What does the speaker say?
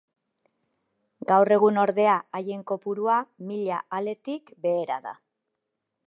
Gaur egun ordea haien kopurua mila aletik behera da.